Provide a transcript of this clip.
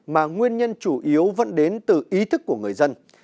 mà nguyên nhân chủ yếu vẫn đến từ ý thức của người dân